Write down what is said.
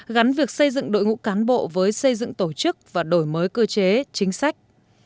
gắn việc xây dựng đội ngũ cán bộ với xây dựng tổ chức và đổi mới cơ chế chính sách